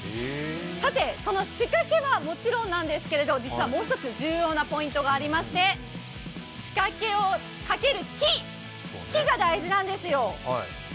さて、この仕掛けはもちろんなんですけど、実はもう一つ重要なポイントがありまして仕掛けをかける木が大事なんですよ。